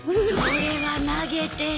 それは投げてるよ